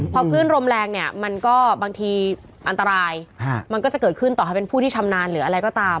พอคลื่นลมแรงเนี่ยมันก็บางทีอันตรายมันก็จะเกิดขึ้นต่อให้เป็นผู้ที่ชำนาญหรืออะไรก็ตาม